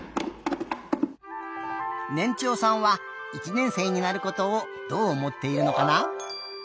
ねんちょうさんは１年生になることをどうおもっているのかな？